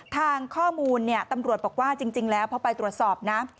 ทางข้อมูลตำรวจบอกว่าจริงแล้วเพราะไปตรวจสอบ